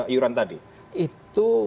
iuran tadi itu